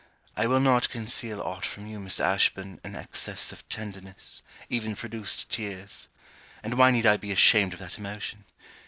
I will not conceal aught from you, Miss Ashburn, an excess of tenderness, even produced tears. And why need I be ashamed of that emotion?